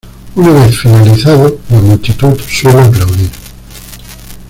Una vez finalizado la multitud suele aplaudir.